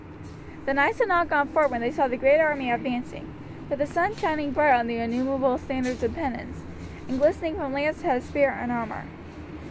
The knights had not gone far when they saw the great army advancing, with the sun shining bright on innumerable standards and pennons, and glistening from lance head, spear, and armour.